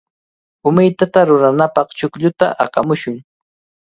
Umitata ruranapaq chuqlluta aqamushun.